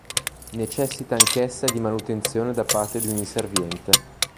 Necessita anch'essa di manutenzione da parte di un inserviente.